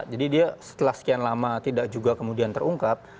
jadi dia setelah sekian lama tidak juga kemudian terungkap